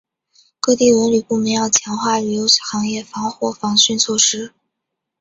各地文旅部门要强化旅游行业防火防汛措施